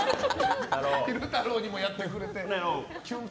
昼太郎にもやってくれたね。